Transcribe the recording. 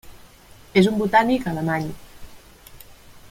És un botànic alemany.